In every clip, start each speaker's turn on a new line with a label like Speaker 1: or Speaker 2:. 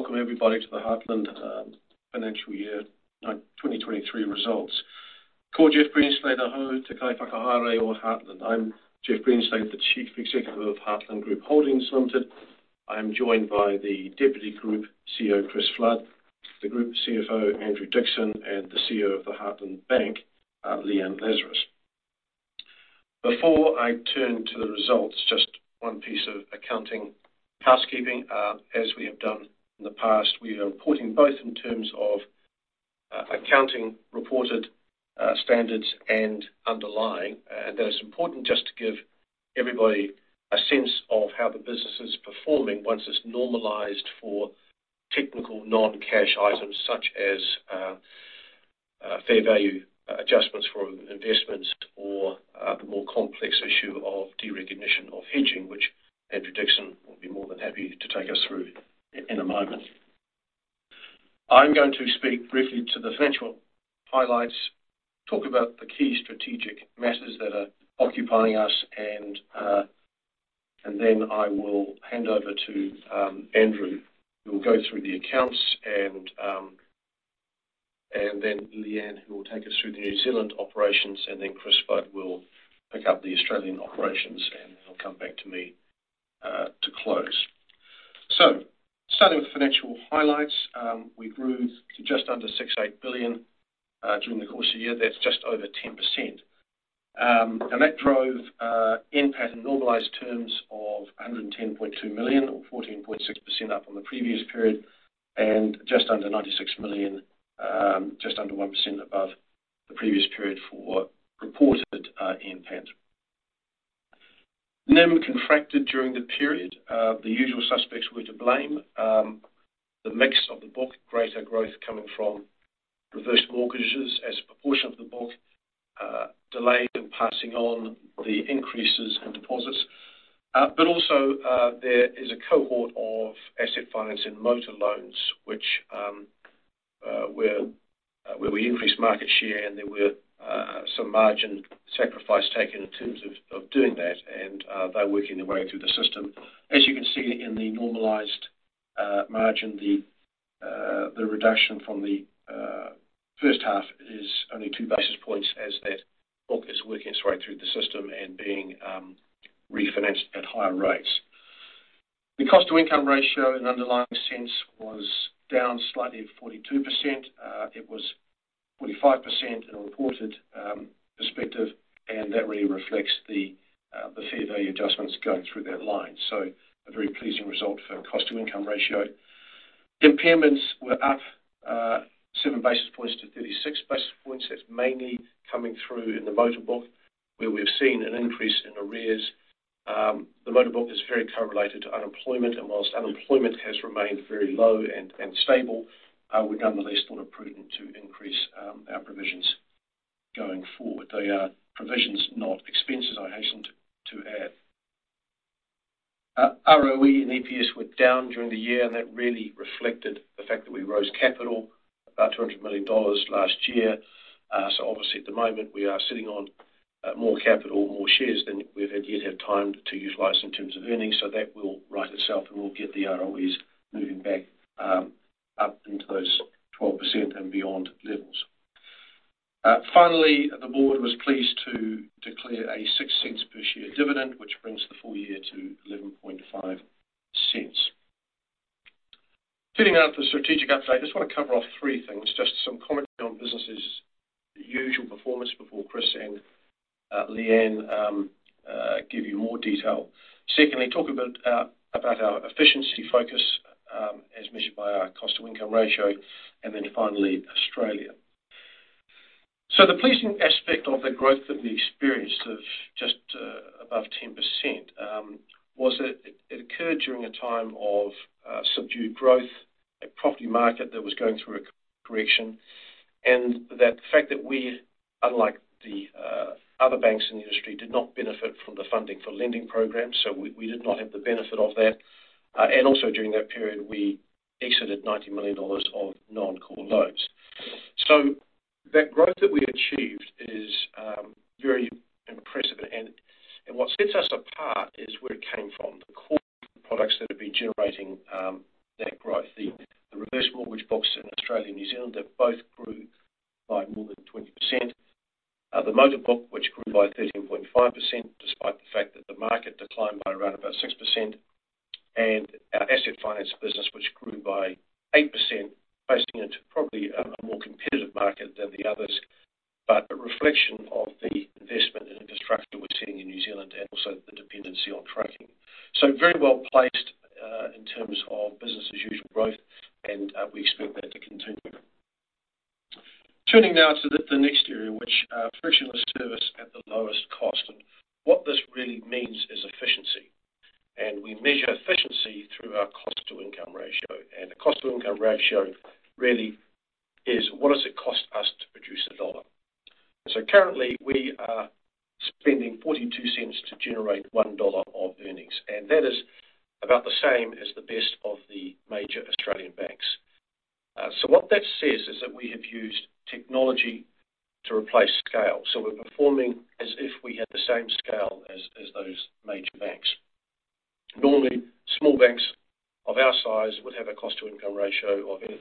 Speaker 1: Welcome, everybody, to the Heartland financial year 2023 results. Ko Jeff Greenslade, ahau te kaiwhakahaere o Heartland. I'm Jeff Greenslade, the Chief Executive of Heartland Group Holdings Limited. I'm joined by the Deputy Group CEO, Chris Flood, the Group CFO Andrew Dixson and the CEO of the Heartland Bank, Leanne Lazarus. Before I turn to the results, just one piece of accounting housekeeping. As we have done in the past, we are reporting both in terms of accounting reported standards and underlying. That is important just to give everybody a sense of how the business is performing once it's normalized for technical non-cash items, such as fair value adjustments from investments or the more complex issue of derecognition of hedging, which Andrew Dixson will be more than happy to take us through in a moment. I'm going to speak briefly to the financial highlights, talk about the key strategic matters that are occupying us and then I will hand over to Andrew, who will go through the accounts and then Leanne, who will take us through the New Zealand operations and then Chris Flood will pick up the Australian operations and then we'll come back to me to close. So starting with the financial highlights, we grew to just under 6.8 billion during the course of the year. That's just over 10%. And that drove NPAT in normalized terms of 110.2 million, or 14.6% up from the previous period and just under 96 million, just under 1% above the previous period for reported NPAT. NIM contracted during the period. The usual suspects were to blame. The mix of the book, greater growth coming from reverse mortgages as a proportion of the book, delayed in passing on the increases in deposits. But also, there is a cohort of asset finance in motor loans, which where we increased market share and there were some margin sacrifice taken in terms of doing that and they're working their way through the system. As you can see in the normalized margin, the reduction from the first half is only two basis points, as that book is working its way through the system and being refinanced at higher rates. The cost-to-income ratio and underlying sense was down slightly at 42%. It was 45% in a reported perspective and that really reflects the fair value adjustments going through that line. So a very pleasing result for cost-to-income ratio. Impairments were up seven basis points to 36 basis points. That's mainly coming through in the motor book, where we've seen an increase in arrears. The motor book is very correlated to unemployment and while unemployment has remained very low and stable, we nonetheless thought it prudent to increase our provisions going forward. They are provisions, not expenses, I hasten to add. ROE and EPS were down during the year and that really reflected the fact that we raised capital, about 200 million dollars last year. Obviously, at the moment, we are sitting on more capital, more shares than we've had yet had time to utilize in terms of earnings, so that will right itself and we'll get the ROEs moving back up into those 12% and beyond levels. Finally, the board was pleased to declare a 0.06 per share dividend, which brings the full year to 0.115. Heading out for the strategic update, I just wanna cover off 3 things, just some commentary on business-as-usual performance before Chris and Leanne give you more detail. Secondly, talk about our efficiency focus as measured by our cost-to-income ratio and then finally, Australia. The pleasing aspect of the growth that we experienced of just above 10% was that it occurred during a time of subdued growth, a property market that was going through a correction and the fact that we, unlike the other banks in the industry, did not benefit from the funding for lending programs, so we did not have the benefit of that. And also, during that period, we exited 90 million dollars of non-core loans. So that growth that we achieved is very impressive and what sets us apart is where it came from, the core products that have been generating that growth. The reverse mortgage books in Australia and New Zealand, they both grew by more than 20%. The motor book, which grew by 13.5%, despite the fact that the market declined by around 6% and our asset finance business, which grew by 8%, pricing into probably a more competitive market than the others, but a reflection of the investment and infrastructure we're seeing in New Zealand and also the dependency on trucking. So very well-placed in terms of business-as-usual growth and we expect that to continue. Turning now to the next area, which frictionless service at the lowest cost and what this really means is efficiency and we measure efficiency through our cost-to-income ratio. The cost-to-income ratio really is, what does it cost us to produce a dollar? Currently, we are spending 42 cents to generate one dollar of earnings and that is about the same as the best of the major Australian banks. So what that says is that we have used technology to replace scale, so we're performing as if we had the same scale as, as those major banks. Normally, small banks of our size would have a cost-to-income ratio of anything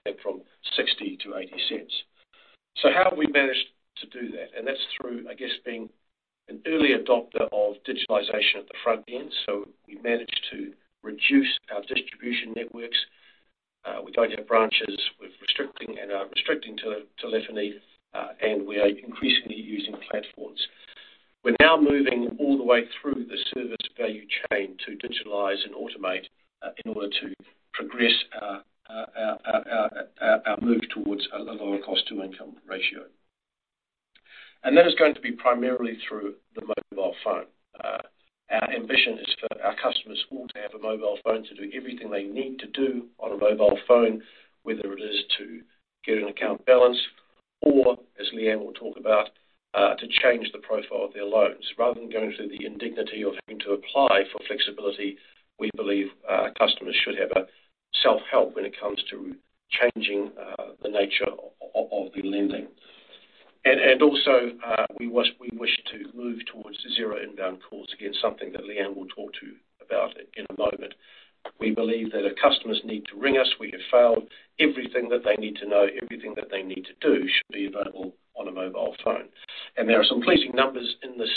Speaker 1: We believe that if customers need to ring us, we have failed. Everything that they need to know, everything that they need to do should be available on a mobile phone. And there are some pleasing numbers in this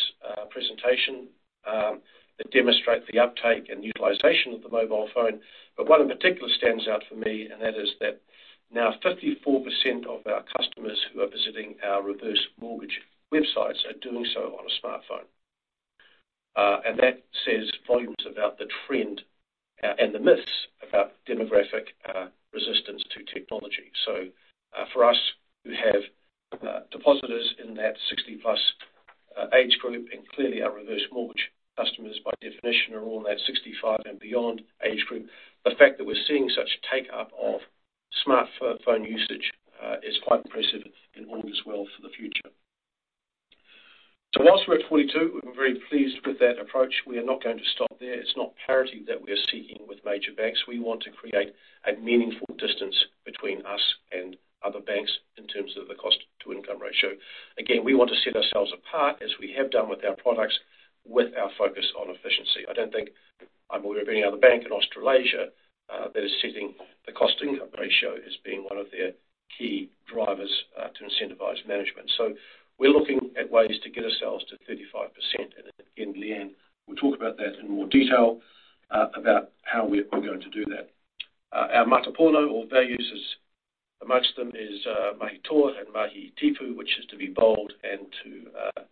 Speaker 1: presentation that demonstrate the uptake and utilization of the mobile phone. But one in particular stands out for me and that is that now 54% of our customers who are visiting our reverse mortgage websites are doing so on a smartphone. And that says volumes about the trend and the myths about demographic resistance to technology. So, for us, who have depositors in that 60+ age group and clearly our reverse mortgage customers, by definition, are all in that 65 and beyond age group. The fact that we're seeing such take-up of smartphone usage is quite impressive and omens well for the future. So whilst we're at 42, we're very pleased with that approach. We are not going to stop there. It's not parity that we are seeking with major banks. We want to create a meaningful distance between us and other banks in terms of the cost-to-income ratio. Again, we want to set ourselves apart, as we have done with our products, with our focus on efficiency. I don't think I'm aware of any other bank in Australasia that is setting the cost-to-income ratio as being one of their key drivers to incentivize management. So we're looking at ways to get ourselves to 35% and again, Leanne will talk about that in more detail about how we're going to do that. Our matapono or values, among them, is Mahi Toa and Mahi Tipu, which is to be bold and to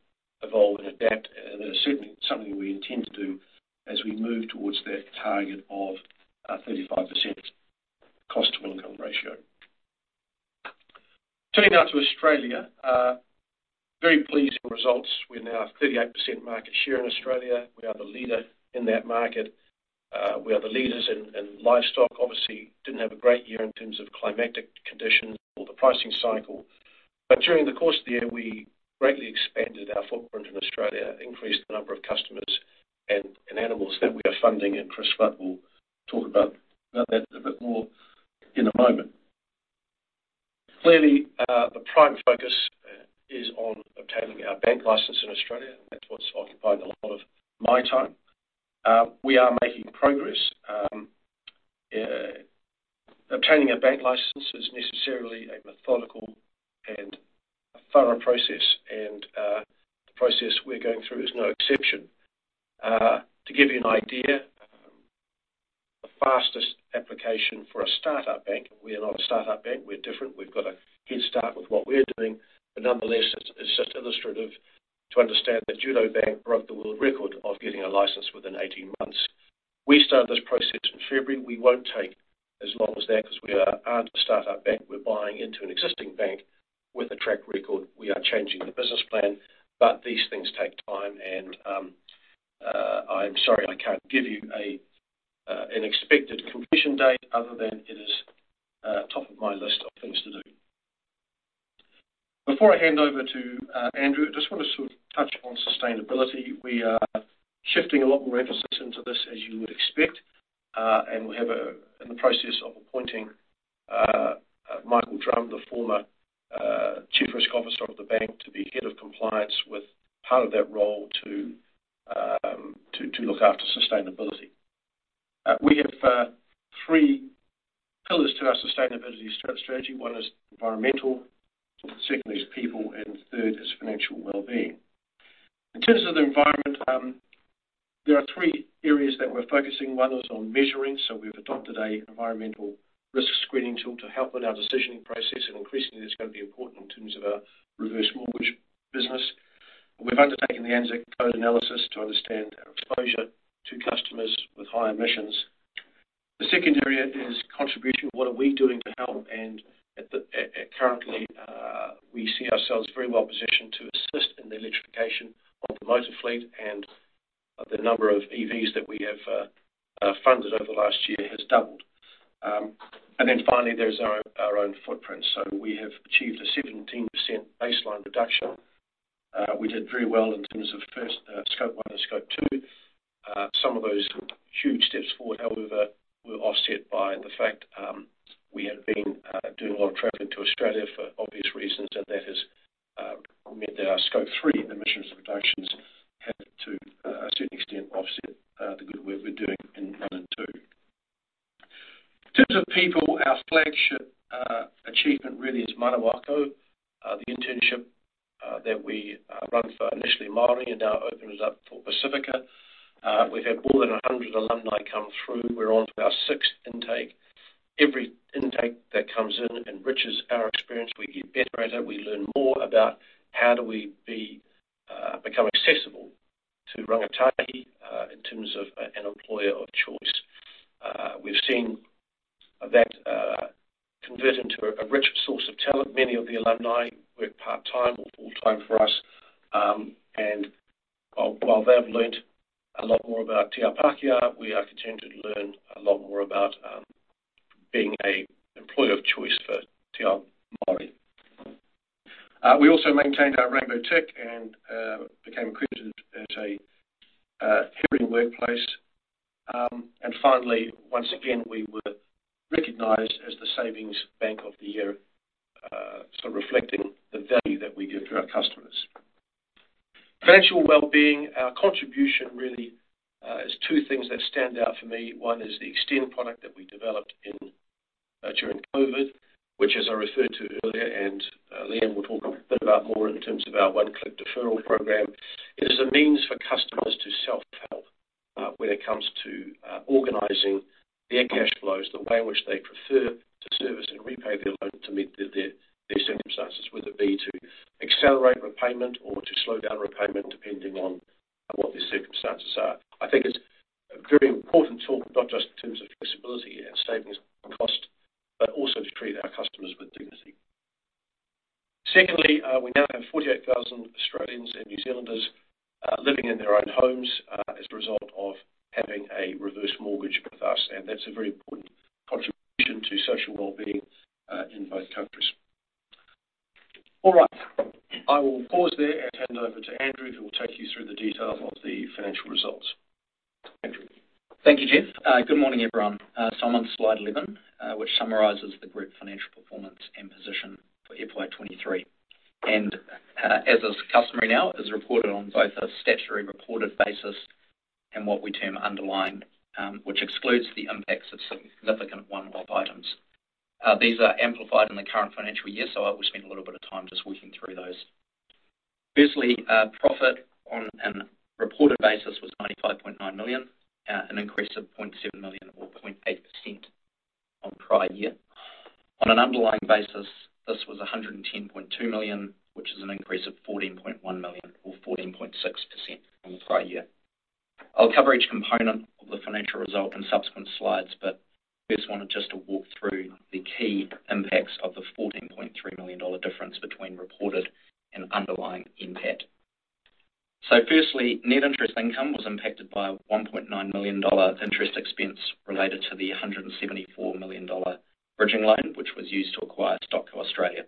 Speaker 1: evolve and adapt and that is certainly something we intend to do as we move towards that target of 35% cost-to-income ratio. Turning now to Australia, very pleasing results. We're now at 38% market share in Australia. We are the leader in that market. We are the leaders in livestock. Obviously, didn't have a great year in terms of climatic conditions or the pricing cycle. But during the course of the year, we greatly expanded our footprint in Australia, increased the number of customers and and animals that we are funding and Chris Flood will talk about that a bit more in a moment. Clearly, the prime focus is on obtaining our bank license in Australia and that's what's occupied a lot of my time. We are making progress. Obtaining a bank license is necessarily a methodical and thorough process and the process we're going through is no exception. To give you an idea, the fastest application for a startup bank, we are not a startup bank, we're different. We've got a head start with what we're doing, but nonetheless, it's just illustrative to understand that Judo Bank broke the world record of getting a license within 18 months. We started this process in February. We won't take as long as that because we aren't a startup bank. We're buying into an existing bank with a track record. We are changing the business plan, but these things take time and, I'm sorry, I can't give you a, an expected completion date other than it is, top of my list of things to do. Before I hand over to Andrew, I just want to touch on sustainability. We are shifting a lot more emphasis into this, as you would expect and we have a in the process of appointing Michael Drumm, the former Chief Risk Officer of the bank, to be head of compliance with part of that role to, to look after sustainability. We have three pillars to our sustainability strategy. One is environmental, second is people and third is financial well-being. In terms of the environment, there are three areas that we're focusing. One is on measuring, so we've adopted an environmental risk screening tool to help with our decisioning process and increasingly, it's going to be important in terms of our reverse mortgage business. We've undertaken the ANZSIC code analysis to understand our exposure to customers with high emissions. The second area is contribution. What are we doing to help? And currently, we see ourselves very well positioned to assist in the electrification of the motor fleet and the number of EVs that we have funded over the last year has doubled. And then finally, there's our own footprint. So we have achieved a 17% baseline reduction. We did very well in terms of first, Scope 1 and Scope 2. Some of those huge steps forward, however, were offset by the fact we had been doing a lot of traveling to Australia for obvious reasons and that has meant that our Scope 3 emissions reductions had, to a certain extent, offset the good work we're doing in one and two. In terms of people, our flagship achievement really is Manawa Ako, the internship that we run for initially Māori and now opened it up for Pasifika. We've had more than 100 alumni come through. We're on to our sixth intake. Every intake that comes in enriches our experience. We get better at it. We learn more about how do we become accessible to rangatahi in terms of an employer of choice. We've seen that convert into a rich source of talent. Many of the alumni work part-time or full-time for us and while they have learned a lot more about Te Ao Pakihi, we are continuing to learn a lot more about being an employer of choice for Te Māori. We also maintained our Rainbow Tick and became accredited as a hearing workplace. Finally, once again, we were recognized as the Savings Bank of the Year, so reflecting the value that we give to our customers. Financial well-being, our contribution really is two things that stand out for me. One is the Extend product that we developed during COVID, which as I referred to earlier and Leanne will talk a bit more about in terms of our One Click Deferral program. It is a means for customers to self-help, when it comes to, organizing their cash flows, the way in which they prefer to service and repay their loan to meet the, their, their circumstances, whether it be to accelerate repayment or to slow down repayment, depending on what their circumstances are. I think it's a very important tool, not just in terms of flexibility and savings cost, but also to treat our customers with dignity. Secondly, we now have 48,000 Australians and New Zealanders, living in their own homes, as a result of having a reverse mortgage with us and that's a very important contribution to social well-being, in both countries. All right. I will pause there and hand over to Andrew, who will take you through the details of the financial results. Andrew?
Speaker 2: Thank you, Jeff. Good morning, everyone. So I'm on slide 11, which summarizes the group financial performance and position for FY 2023. As is customary now, as reported on both a statutory reported basis and what we term underlying, which excludes the impacts of significant one-off items. These are amplified in the current financial year, so I will spend a little bit of time just working through those. Firstly, profit on a reported basis was 95.9 million, an increase of 0.7 million or 0.8% on prior year. On an underlying basis, this was 110.2 million, which is an increase of 14.1 million, or 14.6% from the prior year. I'll cover each component of the financial result in subsequent slides, but first wanted just to walk through the key impacts of the 14.3 million dollar difference between reported and underlying NPAT. So firstly, net interest income was impacted by a 1.9 million dollar interest expense related to the 174 million dollar bridging loan, which was used to acquire StockCo Australia.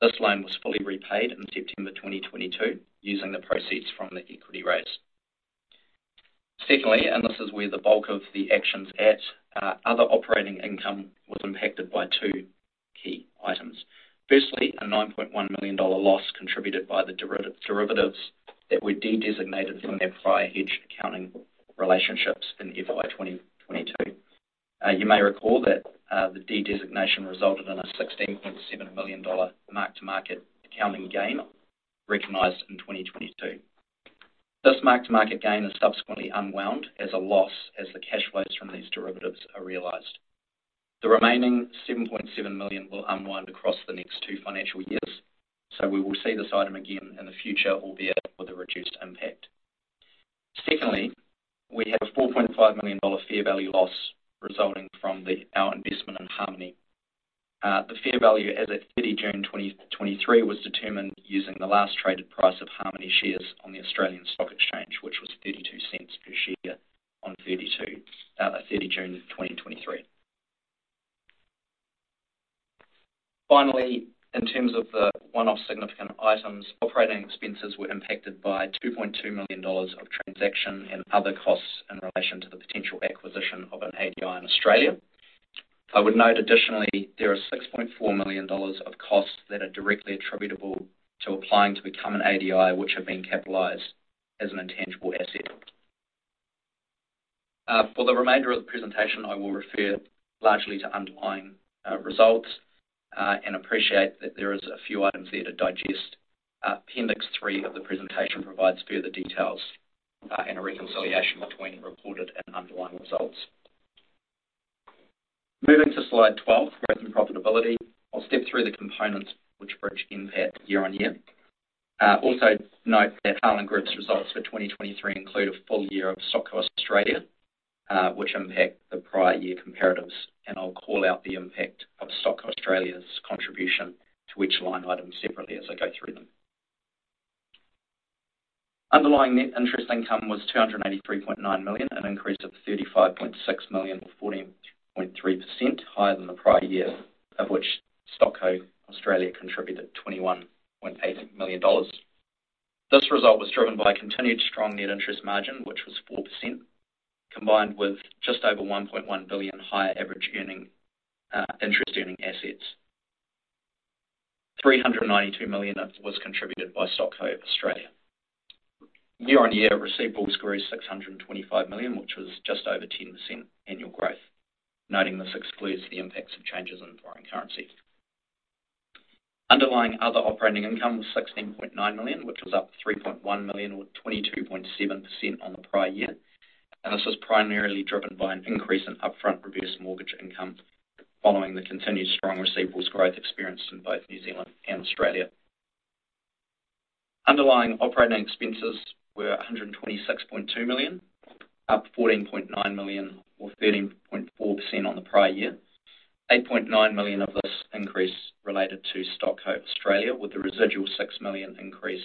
Speaker 2: This loan was fully repaid in September 2022, using the proceeds from the equity raise. Secondly and this is where the bulk of the actions at, other operating income was impacted by two key items. Firstly, a 9.1 million dollar loss contributed by the derivatives that were de-designated from their prior hedge accounting relationships in FY 2022. You may recall that the de-designation resulted in a 16.7 million dollar mark-to-market accounting gain recognized in 2022. This mark-to-market gain is subsequently unwound as a loss, as the cash flows from these derivatives are realized. The remaining 7.7 million will unwind across the next 2 financial years, so we will see this item again in the future, albeit with a reduced impact. Secondly, we had a 4.5 million dollar fair value loss resulting from our investment in Harmoney. The fair value as at 30 June 2023 was determined using the last traded price of Harmoney shares on the Australian Stock Exchange, which was 0.32 per share on 30 June 2023. Finally, in terms of the one-off significant items, operating expenses were impacted by 2.2 million dollars of transaction and other costs in relation to the potential acquisition of an ADI in Australia. I would note additionally, there are 6.4 million dollars of costs that are directly attributable to applying to become an ADI, which have been capitalized as an intangible asset. For the remainder of the presentation, I will refer largely to underlying results and appreciate that there is a few items there to digest. Appendix 3 of the presentation provides further details and a reconciliation between reported and underlying results. Moving to slide 12, growth and profitability. I'll step through the components which bridge NPAT year-on-year. Also note that Heartland Group's results for 2023 include a full year of StockCo Australia, which impact the prior year comparatives and I'll call out the impact of StockCo Australia's contribution to each line item separately as I go through them. Underlying net interest income was NZD 283.9 million, an increase of NZD 35.6 million, or 14.3% higher than the prior year, of which StockCo Australia contributed 21.8 million dollars. This result was driven by continued strong net interest margin, which was 4%, combined with just over 1.1 billion higher average earning interest-earning assets. 392 million of was contributed by StockCo Australia. Year-on-year receivables grew 625 million, which was just over 10% annual growth, noting this excludes the impacts of changes in foreign currency. Underlying other operating income was 16.9 million, which was up 3.1 million, or 22.7% on the prior year. And this was primarily driven by an increase in upfront reverse mortgage income, following the continued strong receivables growth experienced in both New Zealand and Australia. Underlying operating expenses were 126.2 million, up 14.9 million or 13.4% on the prior year. 8.9 million of this increase related to StockCo Australia, with the residual 6 million increase,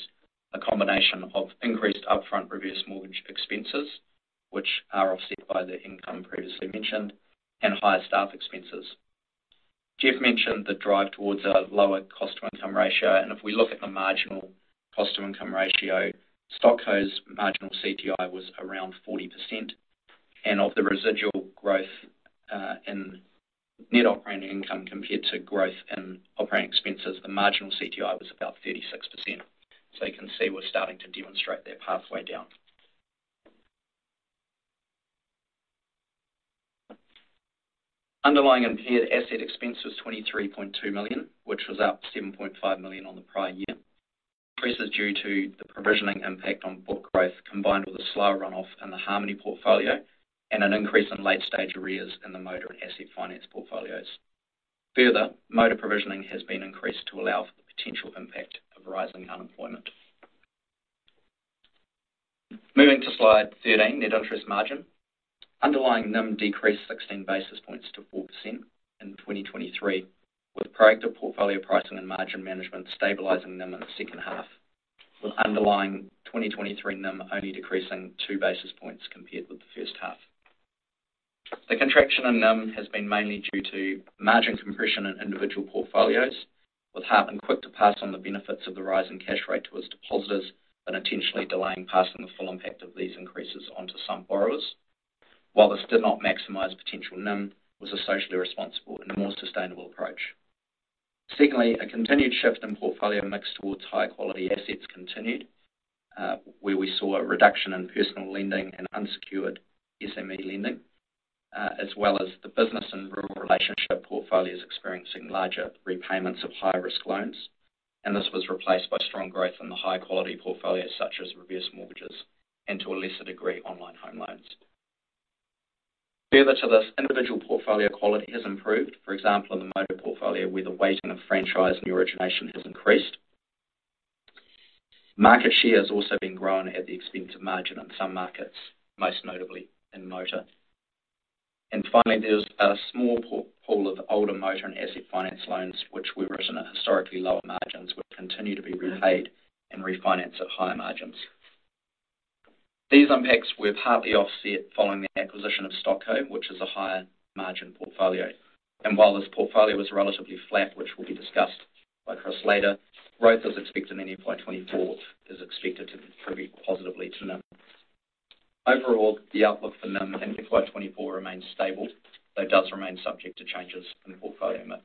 Speaker 2: a combination of increased upfront reverse mortgage expenses, which are offset by the income previously mentioned and higher staff expenses. Jeff mentioned the drive towards a lower cost-to-income ratio and if we look at the marginal cost-to-income ratio, StockCo's marginal CTI was around 40% and of the residual growth in net operating income compared to growth in operating expenses, the marginal CTI was about 36%. So you can see we're starting to demonstrate that pathway down. Underlying impaired asset expense was 23.2 million, which was up 7.5 million on the prior year. Increases due to the provisioning impact on book growth, combined with a slower runoff in the Harmoney portfolio and an increase in late-stage arrears in the motor and asset finance portfolios. Further, motor provisioning has been increased to allow for the potential impact of rising unemployment. Moving to Slide 13, Net Interest Margin. Underlying NIM decreased 16 basis points to 4% in 2023, with proactive portfolio pricing and margin management stabilizing NIM in the second half, with underlying 2023 NIM only decreasing 2 basis points compared with the first half. The contraction in NIM has been mainly due to margin compression in individual portfolios, with Heartland quick to pass on the benefits of the rise in cash rate to its depositors and intentionally delaying passing the full impact of these increases onto some borrowers. While this did not maximize potential NIM, was a socially responsible and a more sustainable approach. Secondly, a continued shift in portfolio mix towards high-quality assets continued, where we saw a reduction in personal lending and unsecured SME lending, as well as the business and rural relationship portfolios experiencing larger repayments of high-risk loans. This was replaced by strong growth in the high-quality portfolios, such as reverse mortgages and, to a lesser degree, online home loans. Further to this, individual portfolio quality has improved, for example, in the motor portfolio, where the weighting of franchise new origination has increased. Market share has also been grown at the expense of margin in some markets, most notably in motor. And finally, there's a small portfolio of older motor and asset finance loans, which were written at historically lower margins, will continue to be repaid and refinance at higher margins. These impacts were partly offset following the acquisition of StockCo, which is a higher margin portfolio. And while this portfolio is relatively flat, which will be discussed by Chris later, growth is expected in FY 2024, is expected to contribute positively to NIM. Overall, the outlook for NIM in FY 2024 remains stable, though it does remain subject to changes in the portfolio mix.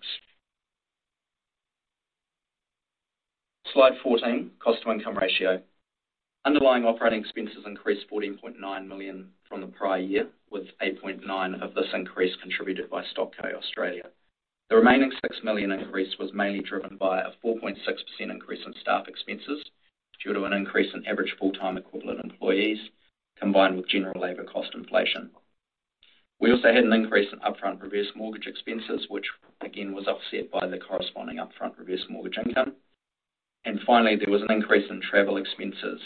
Speaker 2: Slide 14, Cost-to-Income Ratio. Underlying operating expenses increased 14.9 million from the prior year, with 8.9 million of this increase contributed by StockCo, Australia. The remaining 6 million increase was mainly driven by a 4.6% increase in staff expenses due to an increase in average full-time equivalent employees, combined with general labor cost inflation. We also had an increase in upfront reverse mortgage expenses, which again, was offset by the corresponding upfront reverse mortgage income. And finally, there was an increase in travel expenses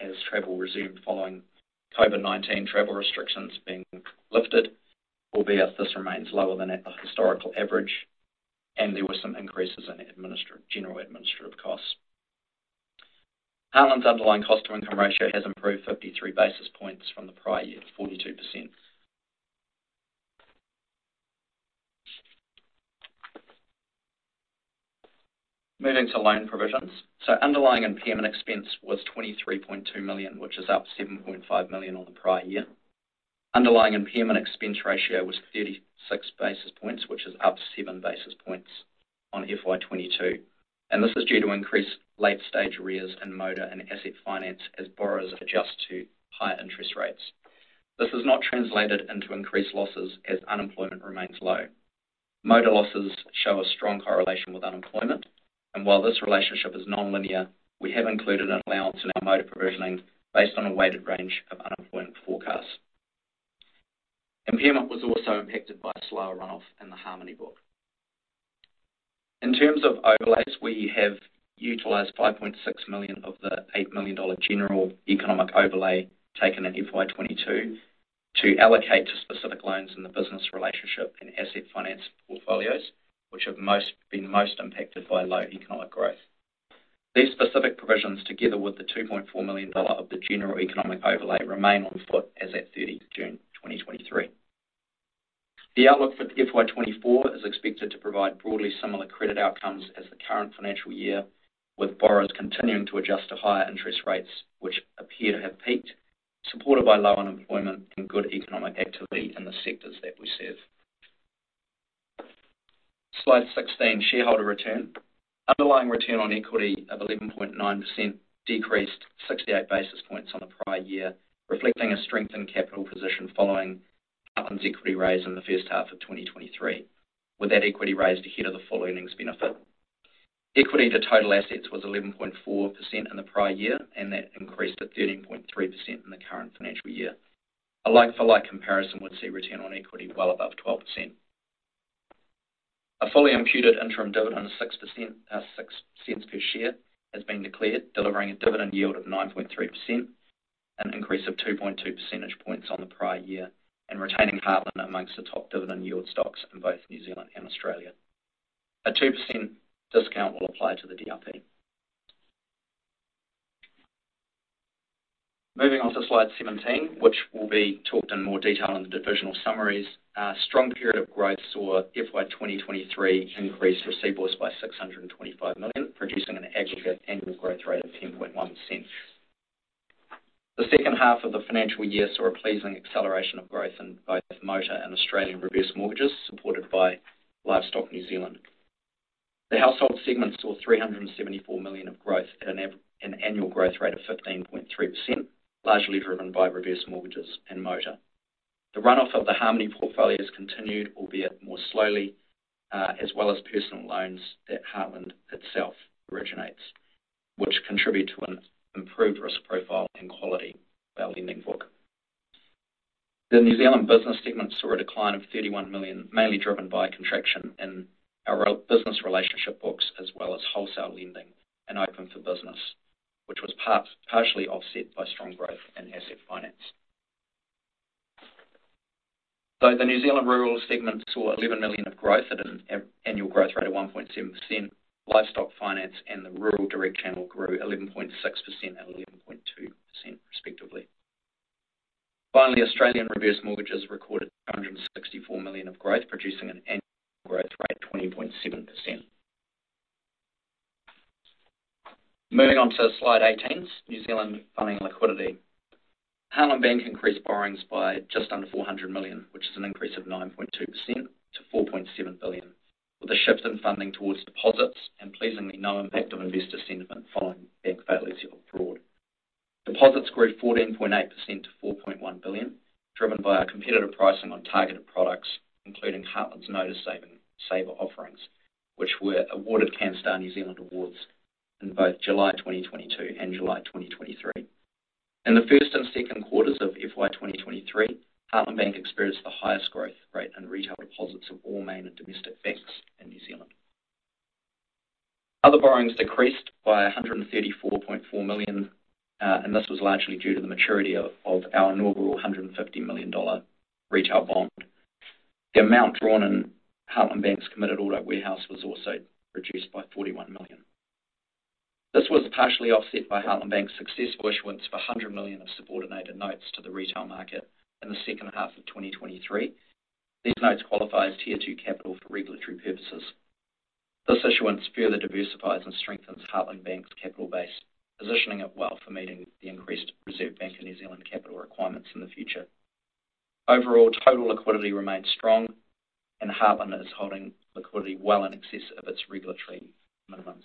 Speaker 2: as travel resumed following COVID-19 travel restrictions being lifted, albeit this remains lower than the historical average and there were some increases in administrative, general administrative costs. Heartland's underlying cost-to-income ratio has improved 53 basis points from the prior year to 42%. Moving to loan provisions. So underlying impairment expense was 23.2 million, which is up 7.5 million on the prior year. Underlying impairment expense ratio was 36 basis points, which is up 7 basis points on FY 2022 and this is due to increased late-stage arrears in motor and asset finance as borrowers adjust to higher interest rates. This has not translated into increased losses as unemployment remains low. Motor losses show a strong correlation with unemployment and while this relationship is nonlinear, we have included an allowance in our motor provisioning based on a weighted range of unemployment forecasts. Impairment was also impacted by a slower runoff in the Harmoney book. In terms of overlays, we have utilized 5.6 million of the 8 million dollar general economic overlay taken in FY 2022 to allocate to specific loans in the business relationship and asset finance portfolios, which have been most impacted by low economic growth. These specific provisions, together with the 2.4 million dollar of the general economic overlay, remain on foot as at 30 June 2023. The outlook for FY 2024 is expected to provide broadly similar credit outcomes as the current financial year, with borrowers continuing to adjust to higher interest rates, which appear to have peaked, supported by low unemployment and good economic activity in the sectors that we serve. Slide 16, shareholder return. Underlying return on equity of 11.9% decreased 68 basis points on the prior year, reflecting a strengthened capital position following Heartland's equity raise in the first half of 2023, with that equity raised ahead of the full earnings benefit. Equity to total assets was 11.4% in the prior year and that increased to 13.3% in the current financial year. A like-for-like comparison would see return on equity well above 12%. A fully imputed interim dividend of 6%, 6 cents per share, has been declared, delivering a dividend yield of 9.3%, an increase of 2.2 percentage points on the prior year and retaining Heartland amongst the top dividend yield stocks in both New Zealand and Australia. A 2% discount will apply to the DRP. Moving on to slide 17, which will be talked in more detail in the divisional summaries. Strong period of growth saw FY 2023 increase receivables by 625 million, producing an aggregate annual growth rate of 10.1%. The second half of the financial year saw a pleasing acceleration of growth in both motor and Australian reverse mortgages, supported by Livestock New Zealand. The household segment saw 374 million of growth at an annual growth rate of 15.3%, largely driven by reverse mortgages and motor. The runoff of the Harmoney portfolio has continued, albeit more slowly, as well as personal loans that Heartland itself originates, which contribute to an improved risk profile and quality of our lending book. The New Zealand business segment saw a decline of 31 million, mainly driven by a contraction in our business relationship books, as well as wholesale lending and Open for Business, which was partially offset by strong growth in asset finance. So the New Zealand rural segment saw 11 million of growth at an annual growth rate of 1.7%. Livestock finance and the Rural Direct channel grew 11.6% and 11.2% respectively. Finally, Australian reverse mortgages recorded 264 million of growth, producing an annual growth rate of 20.7%. Moving on to slide 18, New Zealand funding and liquidity. Heartland Bank increased borrowings by just under 400 million, which is an increase of 9.2% to 4.7 billion, with a shift in funding towards deposits and pleasingly, no impact on investor sentiment following bank failures abroad. Deposits grew 14.8% to 4.1 billion, driven by our competitive pricing on targeted products, including Heartland's Notice Saver offerings, which were awarded Canstar New Zealand awards in both July 2022 and July 2023. In the first and second quarters of FY 2023, Heartland Bank experienced the highest growth rate in retail deposits of all main and domestic banks in New Zealand. Other borrowings decreased by 134.4 million and this was largely due to the maturity of our inaugural 150 million dollar retail bond. The amount drawn in Heartland Bank's committed auto warehouse was also reduced by 41 million. This was partially offset by Heartland Bank's successful issuance of 100 million of subordinated notes to the retail market in the second half of 2023. These notes qualify as Tier Two capital for regulatory purposes. This issuance further diversifies and strengthens Heartland Bank's capital base, positioning it well for meeting the increased Reserve Bank of New Zealand capital requirements in the future. Overall, total liquidity remains strong and Heartland is holding liquidity well in excess of its regulatory minimums.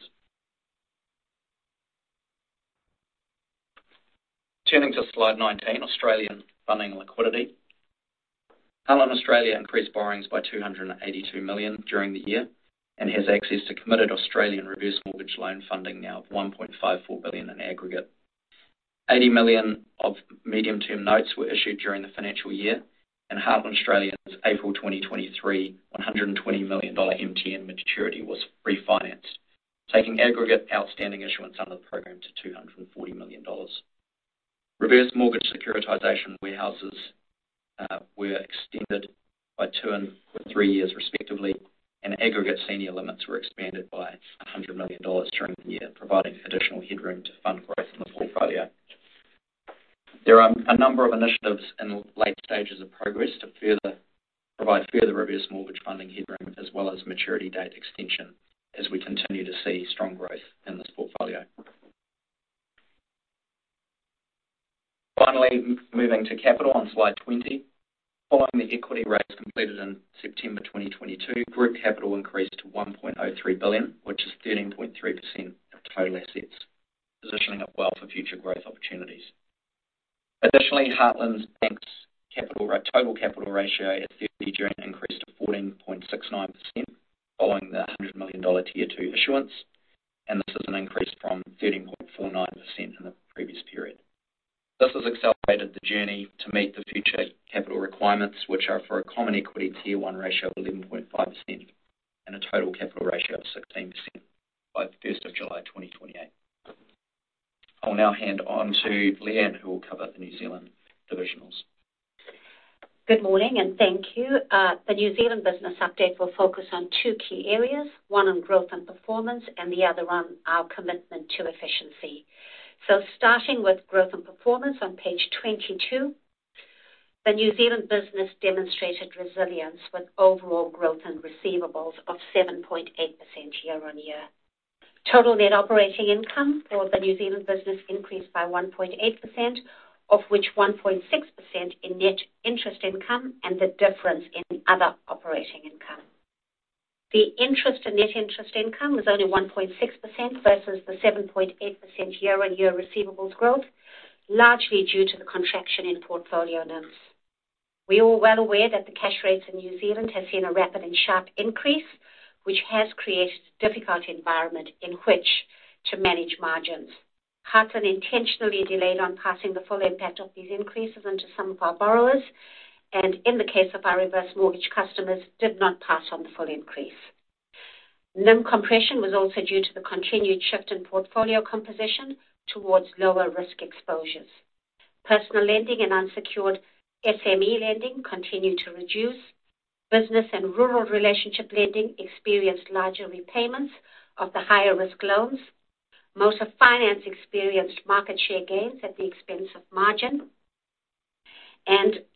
Speaker 2: Turning to slide 19, Australian funding and liquidity. Heartland Australia increased borrowings by 282 million during the year and has access to committed Australian reverse mortgage loan funding now of 1.54 billion in aggregate. 80 million of medium-term notes were issued during the financial year and Heartland Australia's April 2023, 120 million dollar MTN maturity was refinanced, taking aggregate outstanding issuance under the program to 240 million dollars. Reverse mortgage securitization warehouses were extended by 2 and 3 years, respectively and aggregate senior limits were expanded by 100 million dollars during the year, providing additional headroom to fund growth in the portfolio. There are a number of initiatives in the late stages of progress to provide further reverse mortgage funding headroom, as well as maturity date extension, as we continue to see strong growth in this portfolio. Finally, moving to capital on slide 20. Following the equity raise completed in September 2022, group capital increased to 1.03 billion, which is 13.3% of total assets, positioning it well for future growth opportunities. Additionally, Heartland Bank's total capital ratio at 30 June increased to 14.69%, following the 100 million dollar Tier Two issuance and this is an increase from 13.49% in the previous period. This has accelerated the journey to meet the future capital requirements, which are for a Common Equity Tier One ratio of 11.5% and a total capital ratio of 16% by 1 July 2028. I'll now hand over to Leanne, who will cover the New Zealand divisionals.
Speaker 3: Good morning and thank you. The New Zealand business update will focus on two key areas, one on growth and performance and the other on our commitment to efficiency. Starting with growth and performance on page 22, the New Zealand business demonstrated resilience with overall growth and receivables of 7.8% year-on-year. Total net operating income for the New Zealand business increased by 1.8%, of which 1.6% in net interest income and the difference in other operating income. The interest and net interest income was only 1.6% versus the 7.8% year-on-year receivables growth, largely due to the contraction in portfolio loans. We are well aware that the cash rates in New Zealand have seen a rapid and sharp increase, which has created a difficult environment in which to manage margins. Heartland intentionally delayed on passing the full impact of these increases onto some of our borrowers and in the case of our reverse mortgage customers, did not pass on the full increase. NIM compression was also due to the continued shift in portfolio composition towards lower risk exposures. Personal lending and unsecured SME lending continued to reduce. Business and rural relationship lending experienced larger repayments of the higher-risk loans. Most of finance experienced market share gains at the expense of margin.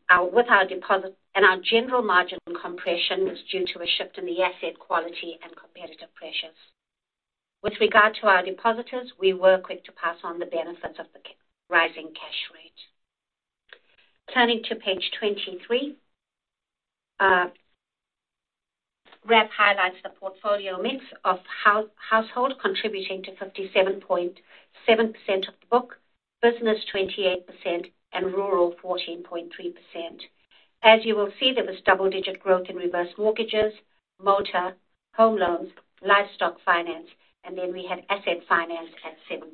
Speaker 3: And, with our deposits and our general margin compression was due to a shift in the asset quality and competitive pressures. With regard to our depositors, we were quick to pass on the benefits of the rising cash rate. Turning to page 23, the graph highlights the portfolio mix of household, contributing to 57.7% of the book, business, 28% and rural, 14.3%. As you will see, there was double-digit growth in reverse mortgages, motor, home loans, livestock finance and then we had asset finance at 7.8%.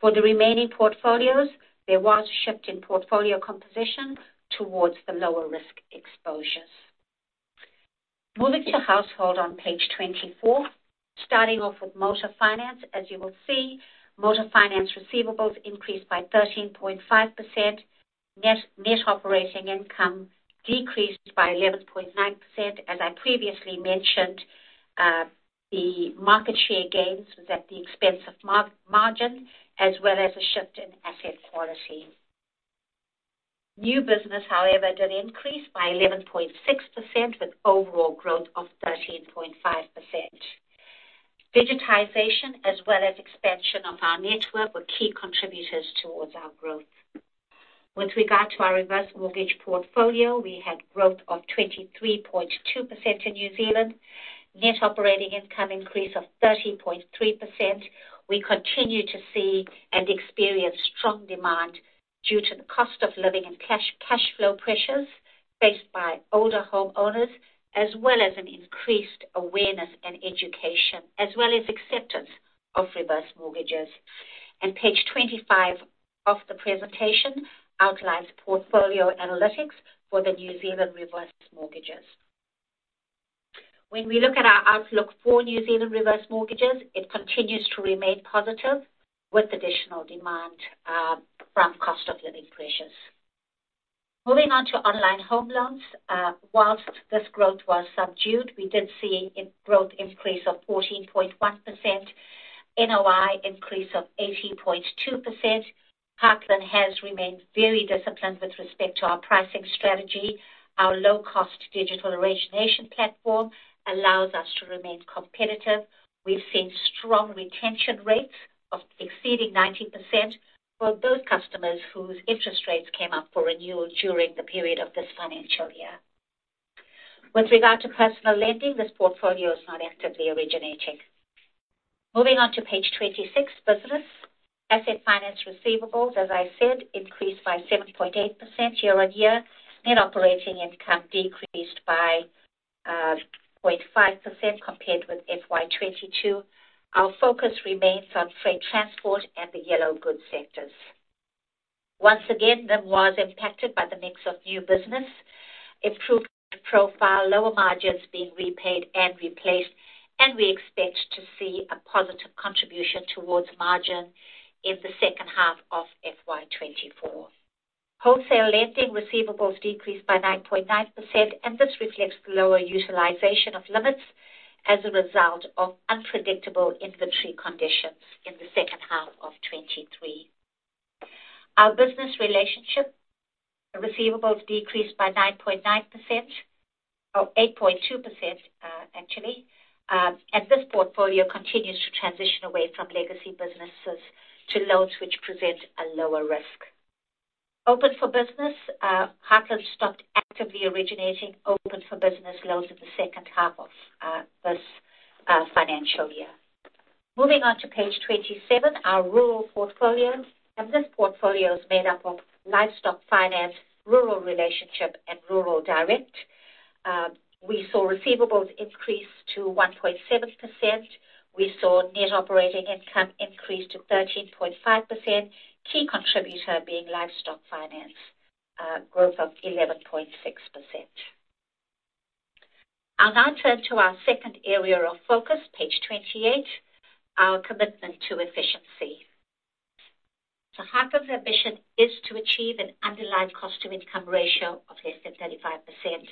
Speaker 3: For the remaining portfolios, there was a shift in portfolio composition towards the lower risk exposures. Moving to household on page 24, starting off with motor finance. As you will see, motor finance receivables increased by 13.5%. Net operating income decreased by 11.9%. As I previously mentioned, the market share gains was at the expense of margin, as well as a shift in asset quality. New business, however, did increase by 11.6%, with overall growth of 13.5%. Digitization, as well as expansion of our network, were key contributors towards our growth. With regard to our reverse mortgage portfolio, we had growth of 23.2% in New Zealand. Net operating income increase of 13.3%. We continue to see and experience strong demand due to the cost of living and cash, cash flow pressures faced by older homeowners, as well as an increased awareness and education, as well as acceptance of reverse mortgages. Page 25 of the presentation outlines portfolio analytics for the New Zealand reverse mortgages. When we look at our outlook for New Zealand reverse mortgages, it continues to remain positive with additional demand from cost of living pressures. Moving on to online home loans. While this growth was subdued, we did see a growth increase of 14.1%, NOI increase of 18.2%. Heartland has remained very disciplined with respect to our pricing strategy. Our low-cost digital origination platform allows us to remain competitive. We've seen strong retention rates exceeding 90% for those customers whose interest rates came up for renewal during the period of this financial year. With regard to personal lending, this portfolio is not actively originating. Moving on to page 26, business. Asset finance receivables, as I said, increased by 7.8% year-on-year. Net operating income decreased by 0.5% compared with FY 2022. Our focus remains on freight transport and the yellow goods sectors. Once again, NIM was impacted by the mix of new business, improved profile, lower margins being repaid and replaced and we expect to see a positive contribution towards margin in the second half of FY 2024. Wholesale lending receivables decreased by 9.9% and this reflects lower utilization of limits as a result of unpredictable inventory conditions in the second half of 2023. Our business relationship receivables decreased by 9.9%, or 8.2%, actually, as this portfolio continues to transition away from legacy businesses to loans which present a lower risk. Open for Business, Heartland stopped actively originating Open for Business loans in the second half of this financial year. Moving on to page 27, our rural portfolio and this portfolio is made up of livestock finance, rural relationship and rural direct. We saw receivables increase to 1.7%. We saw net operating income increase to 13.5%, key contributor being livestock finance, growth of 11.6%. I'll now turn to our second area of focus, page 28, our commitment to efficiency. The heart of the ambition is to achieve an underlying cost to income ratio of less than 35%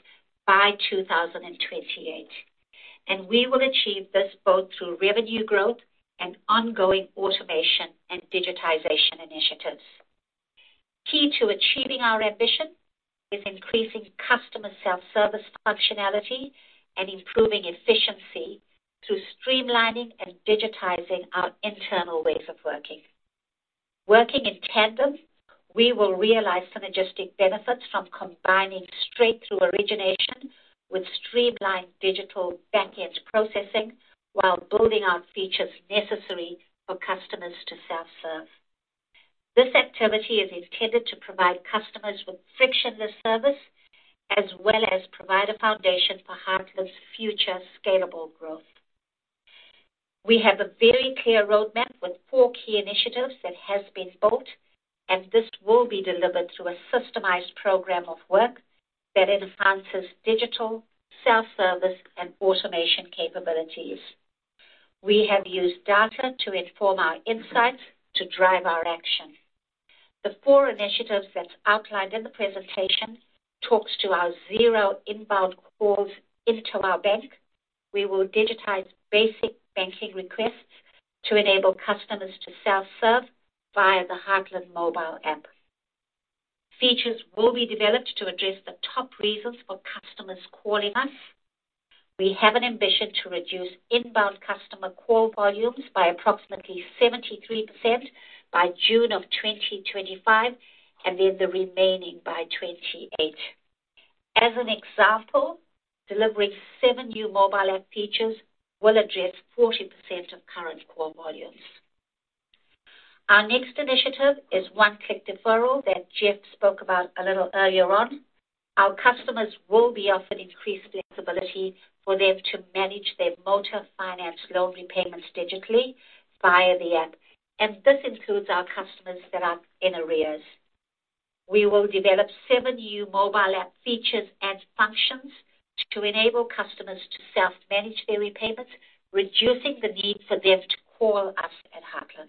Speaker 3: by 2028. And we will achieve this both through revenue growth and ongoing automation and digitization initiatives. Key to achieving our ambition is increasing customer self-service functionality and improving efficiency through streamlining and digitizing our internal ways of working. Working in tandem, we will realize synergistic benefits from combining straight-through origination with streamlined digital back-end processing, while building out features necessary for customers to self-serve. This activity is intended to provide customers with frictionless service, as well as provide a foundation for Heartland's future scalable growth. We have a very clear roadmap with four key initiatives that has been built and this will be delivered through a systemized program of work that enhances digital, self-service and automation capabilities. We have used data to inform our insights to drive our action. The four initiatives that's outlined in the presentation talks to our zero inbound calls into our bank. We will digitize basic banking requests to enable customers to self-serve via the Heartland mobile app. Features will be developed to address the top reasons for customers calling us. We have an ambition to reduce inbound customer call volumes by approximately 73% by June of 2025 and then the remaining by 28. As an example, delivering seven new mobile app features will address 40% of current call volumes. Our next initiative is One Click Deferral that Jeff spoke about a little earlier on. Our customers will be offered increased flexibility for them to manage their motor finance loan repayments digitally via the app and this includes our customers that are in arrears. We will develop seven new mobile app features and functions to enable customers to self-manage their repayments, reducing the need for them to call us at Heartland.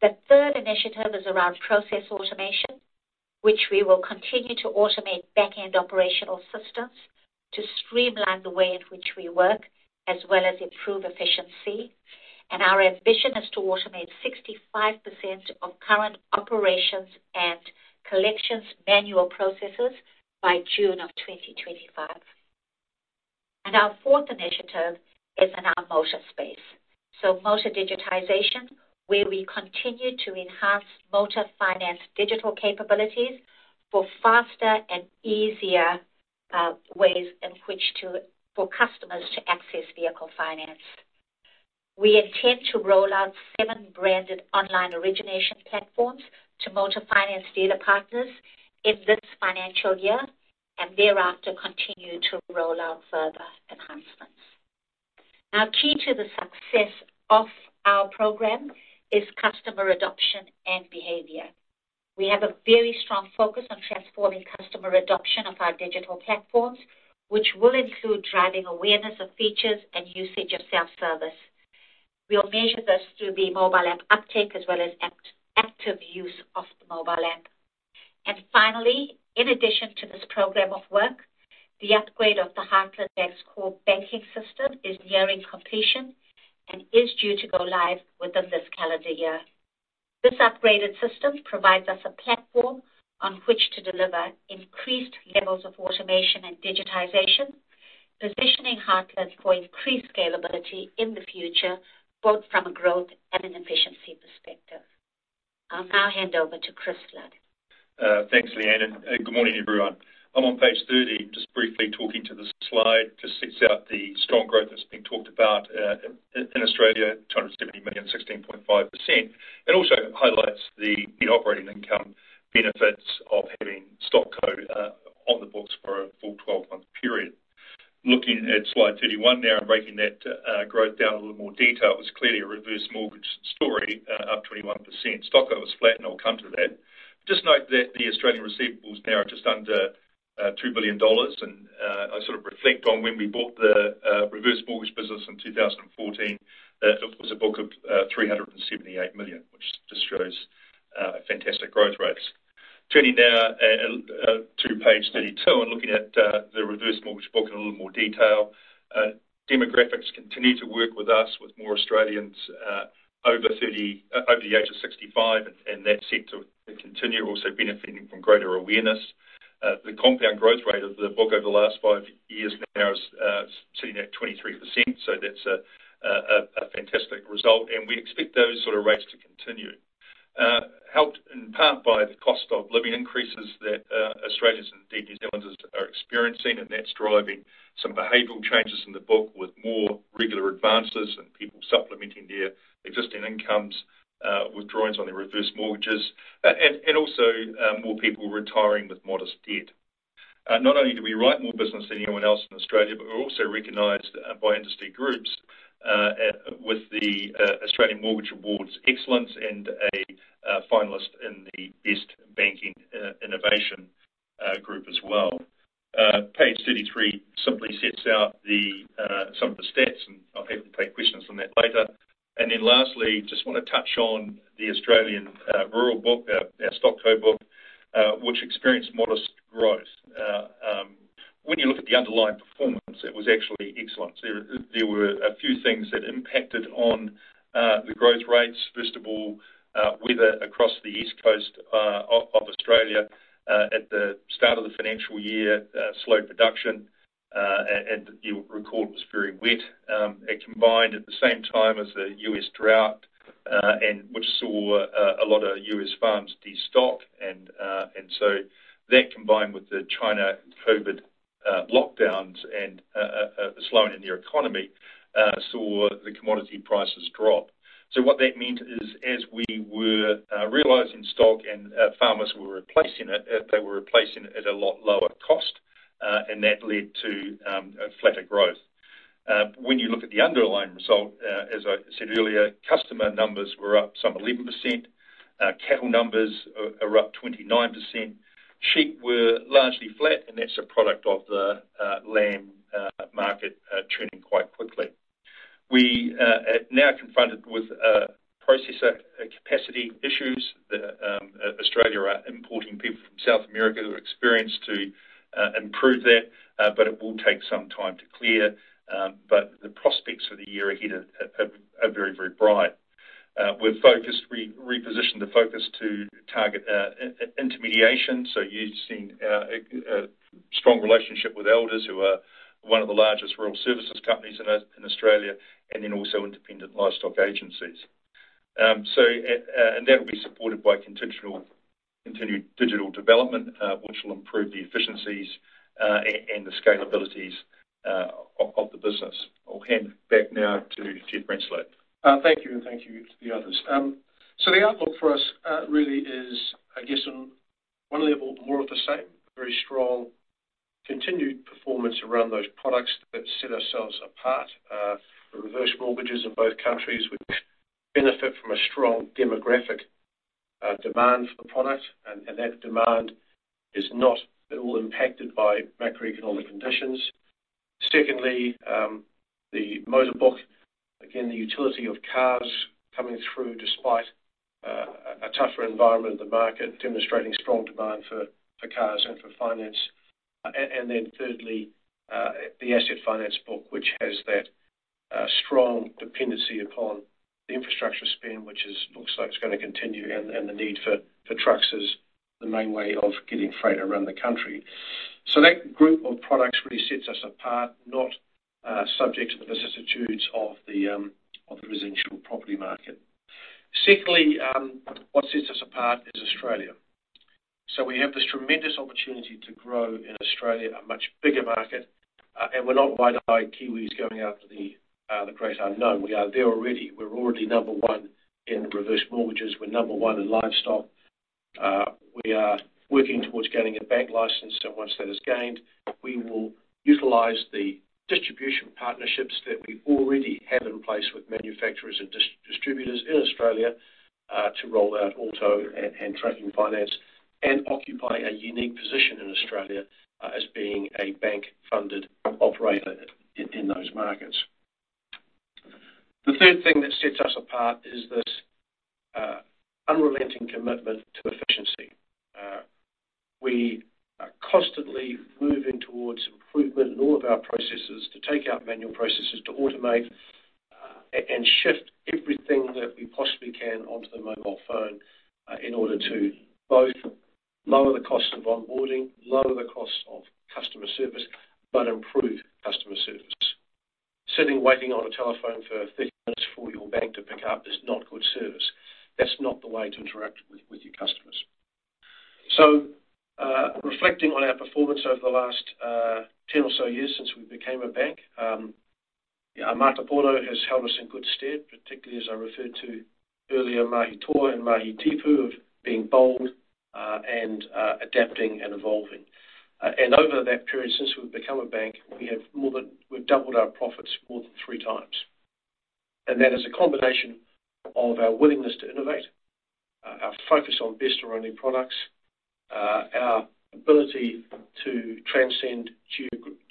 Speaker 3: The third initiative is around process automation, which we will continue to automate back-end operational systems to streamline the way in which we work, as well as improve efficiency. Our ambition is to automate 65% of current operations and collections manual processes by June 2025. Our fourth initiative is in our motor space. Motor digitization, where we continue to enhance motor finance digital capabilities for faster and easier ways in which for customers to access vehicle finance. We intend to roll out seven branded online origination platforms to motor finance dealer partners in this financial year and thereafter continue to roll out further enhancements. Now, key to the success of our program is customer adoption and behavior. We have a very strong focus on transforming customer adoption of our digital platforms, which will include driving awareness of features and usage of self-service. We'll measure this through the mobile app uptake, as well as active use of the mobile app. And finally, in addition to this program of work, the upgrade of the Heartland core banking system is nearing completion and is due to go live within this calendar year. This upgraded system provides us a platform on which to deliver increased levels of automation and digitization, positioning Heartland for increased scalability in the future, both from a growth and an efficiency perspective. I'll now hand over to Chris Flood.
Speaker 4: Thanks, Leanne and good morning, everyone. I'm on page 30. Just briefly talking to the slide, just sets out the strong growth that's been talked about in Australia, 270 million, 16.5%. It also highlights the operating income benefits of having StockCo on the books for a full 12-month period. Looking at slide 31 now and breaking that growth down in a little more detail, it was clearly a reverse mortgage story up 21%. StockCo was flat and I'll come to that. Just note that the Australian receivables now are just under 2 billion dollars and I reflect on when we bought the reverse mortgage business in 2014. It was a book of 378 million, which just shows fantastic growth rates. Turning now to page 32 and looking at the reverse mortgage book in a little more detail. Demographics continue to work with us, with more Australians over the age of 65 and that's set to continue, also benefiting from greater awareness. The compound growth rate of the book over the last 5 years now is sitting at 23%, so that's a fantastic result and we expect those rates to continue. Helped in part by the cost of living increases that Australians and indeed New Zealanders are experiencing and that's driving some behavioral changes in the book, with more regular advances and people supplementing their existing incomes, withdrawing on their reverse mortgages and also more people retiring with modest debt. Not only do we write more business than anyone else in Australia, but we're also recognized by industry groups with the Australian Mortgage Awards Excellence and a finalist in the Best Innovation group as well. Page 33 simply sets out some of the stats and I'm happy to take questions on that later. And then lastly, just wanna touch on the Australian rural book, our StockCo book, which experienced modest growth. When you look at the underlying performance, it was actually excellent. There were a few things that impacted on the growth rates. First of all, weather across the East Coast of Australia at the start of the financial year slowed production and you'll recall it was very wet. It combined at the same time as the US drought and which saw a lot of US farms destock and so that, combined with the China COVID lockdowns and the slowing in their economy, saw the commodity prices drop. So what that means is, as we were realizing stock and farmers were replacing it, they were replacing it at a lot lower cost and that led to a flatter growth. When you look at the underlying result, as I said earlier, customer numbers were up some 11%. Cattle numbers are up 29%. Sheep were largely flat and that's a product of the lamb market turning quite quickly. We are now confronted with processor capacity issues that Australia are importing people from South America who are experienced to improve that, but it will take some time to clear. But the prospects for the year ahead are very bright. We're focused, repositioned the focus to target intermediation. So you've seen a strong relationship with Elders, who are one of the largest rural services companies in Australia and then also independent livestock agencies. so and that will be supported by continued digital development, which will improve the efficiencies and the scalabilities of the business. I'll hand back now to Jeff Greenslade.
Speaker 1: Thank you and thank you to the others. So the outlook for us, really is, I guess, on one level, more of the same. Very strong, continued performance around those products that set ourselves apart, the reverse mortgages in both countries, which benefit from a strong demographic, demand for the product and that demand is not at all impacted by macroeconomic conditions. Secondly, the motor book, again, the utility of cars coming through despite, a tougher environment in the market, demonstrating strong demand for cars and for finance. And then thirdly, the asset finance book, which has that, strong dependency upon the infrastructure spend, which looks like it's gonna continue and the need for trucks as the main way of getting freight around the country. That group of products really sets us apart, not subject to the vicissitudes of the residential property market. Secondly, what sets us apart is Australia. So we have this tremendous opportunity to grow in Australia, a much bigger market and we're not wide-eyed Kiwis going out to the great unknown. We are there already. We're already number one in reverse mortgages. We're number one in livestock. We are working towards getting a bank license and once that is gained, we will utilize the distribution partnerships that we already have in place with manufacturers and distributors in Australia, to roll out auto and trucking finance and occupy a unique position in Australia, as being a bank-funded operator in those markets. The third thing that sets us apart is this unrelenting commitment to efficiency. We are constantly moving towards improvement in all of our processes to take out manual processes, to automate and shift everything that we possibly can onto the mobile phone, in order to both lower the cost of onboarding, lower the cost of customer service, but improve customer service. Sitting, waiting on a telephone for 30 minutes for your bank to pick up is not good service. That's not the way to interact with, with your customers. So, reflecting on our performance over the last 10 or so years since we became a bank, Matapono has held us in good stead, particularly as I referred to earlier, Mahi Toa and Mahi Tipu, of being bold and adapting and evolving. And over that period, since we've become a bank, we have more than, we've doubled our profits more than three times. That is a combination of our willingness to innovate, our focus on best-of-breed products, our ability to transcend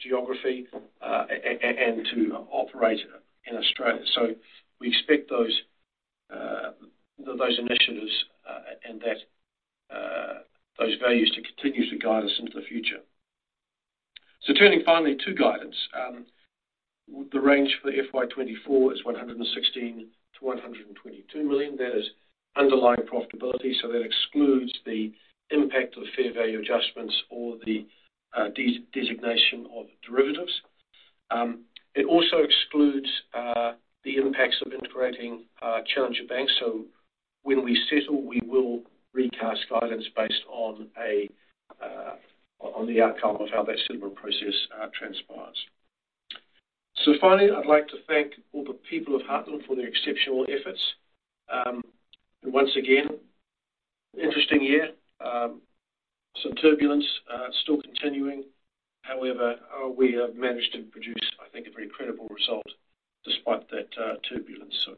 Speaker 1: geography and to operate in Australia. We expect those initiatives and those values to continue to guide us into the future. Turning finally to guidance, the range for FY 2024 is 116 million to 122 million. That is underlying profitability, so that excludes the impact of fair value adjustments or the designation of derivatives. It also excludes the impacts of integrating Challenger Bank. When we settle, we will recast guidance based on the outcome of how that settlement process transpires. Finally, I'd like to thank all the people of Heartland for their exceptional efforts. Once again, interesting year. Some turbulence still continuing.... however, we have managed to produce, I think, a very credible result despite that turbulence. So,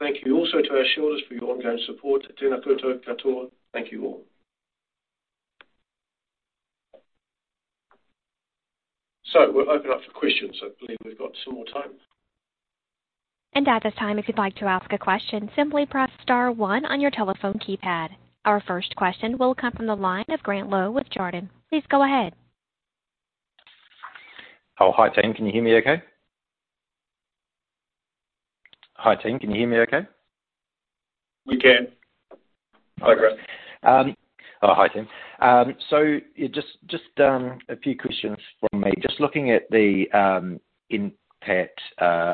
Speaker 1: thank you also to our shareholders for your ongoing support. Thank you all. So we'll open up for questions. I believe we've got some more time.
Speaker 5: At this time, if you'd like to ask a question, simply press star one on your telephone keypad. Our first question will come from the line of Grant Lowe with Jarden. Please go ahead.
Speaker 6: Hi, team. Can you hear me okay? Hi, team, can you hear me okay?
Speaker 1: We can. Hi, Grant.
Speaker 6: Hi, team. Just, a few questions from me. Just looking at the, NPAT,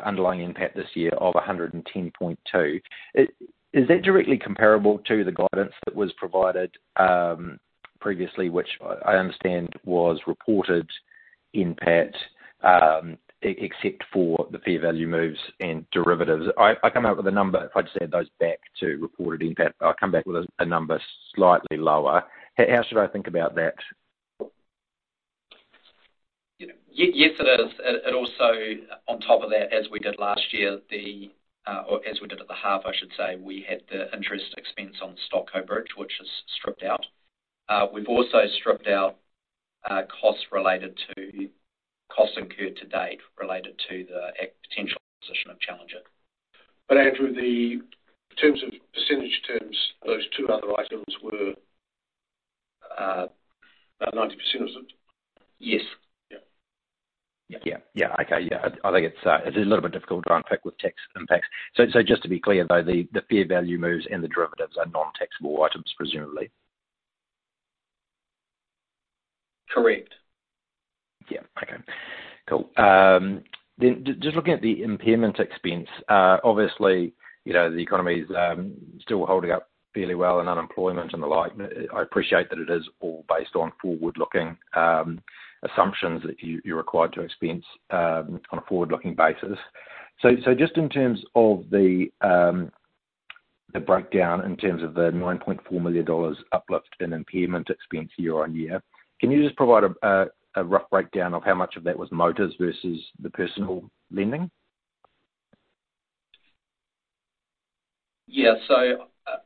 Speaker 6: underlying NPAT this year of 110.2, is that directly comparable to the guidance that was provided, previously, which I, I understand was reported NPAT, except for the fair value moves and derivatives? I, I come out with a number, if I just add those back to reported NPAT, I come back with a, a number slightly lower. How should I think about that?
Speaker 2: Yes, it is. It also on top of that, as we did last year, or as we did at the half, I should say, we had the interest expense on StockCo, which is stripped out. We've also stripped out costs related to costs incurred to date related to the potential acquisition of Challenger.
Speaker 1: Andrew, the terms of percentage terms, those two other items were about 90%, was it?
Speaker 2: Yes.
Speaker 6: It's a little bit difficult to unpick with tax impacts. So just to be clear, though, the fair value moves and the derivatives are non-taxable items, presumably?
Speaker 2: Correct.
Speaker 6: Okay, cool. Then just looking at the impairment expense, obviously, you know, the economy's still holding up fairly well and unemployment and the like. I appreciate that it is all based on forward-looking assumptions that you, you're required to expense on a forward-looking basis. So just in terms of the breakdown in terms of the 9.4 million dollars uplift in impairment expense year-on-year, can you just provide a rough breakdown of how much of that was motors versus the personal lending?